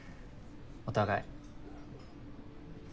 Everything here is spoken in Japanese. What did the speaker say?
お互い。